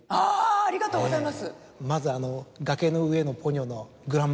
ありがとうございます。